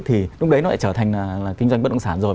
thì lúc đấy nó lại trở thành là kinh doanh bất động sản rồi